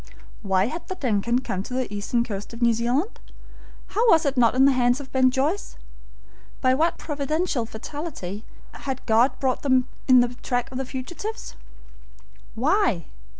Why had the DUNCAN come to the eastern coast of New Zealand? How was it not in the hands of Ben Joyce? By what providential fatality had God brought them in the track of the fugitives? Why?